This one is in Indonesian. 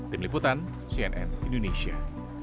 tim liputan cnn indonesia